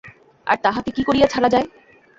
আর তাহাকে কি করিয়া ছাড়া যায়?